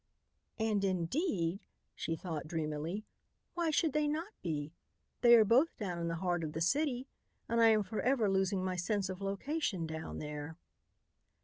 "And indeed," she thought dreamily, "why should they not be? They are both down in the heart of the city and I am forever losing my sense of location down there."